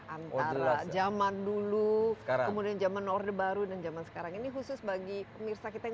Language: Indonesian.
antara zaman dulu kemudian zaman orde baru dan zaman sekarang ini khusus bagi pemirsa kita yang